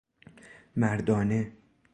مردانه